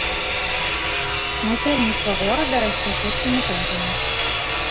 Насельніцтва горада расце хуткімі тэмпамі.